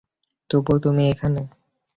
তবুও তুমি এখানে!